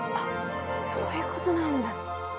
そういうことなんだ。